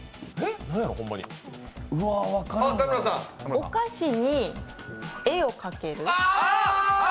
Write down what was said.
お菓子に絵を描ける？